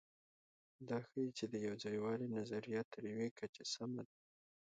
دا ښيي، چې د یوځایوالي نظریه تر یوې کچې سمه ده.